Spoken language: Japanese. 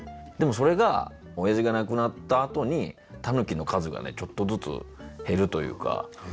でもそれがおやじが亡くなったあとにタヌキの数がねちょっとずつ減るというか。